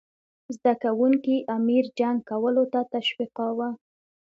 زده کوونکي امیر جنګ کولو ته تشویقاووه.